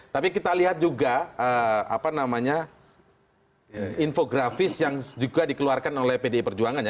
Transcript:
tapi kita lihat juga apa namanya infografis yang juga dikeluarkan oleh pdi perjuangan ya